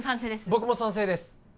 僕も賛成です